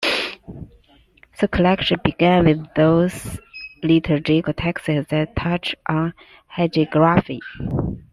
The collection began with those liturgical texts that touch on hagiography.